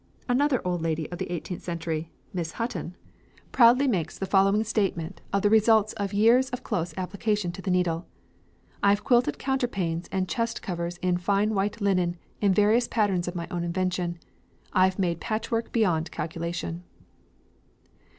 Another old lady of the eighteenth century, Miss Hutton, proudly makes the following statement of the results of years of close application to the needle: "I have quilted counterpanes and chest covers in fine white linen, in various patterns of my own invention. I have made patchwork beyond calculation."